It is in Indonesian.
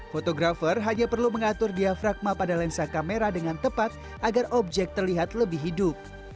fotografer hanya perlu mengatur diafragma pada lensa kamera dengan tepat agar objek terlihat lebih hidup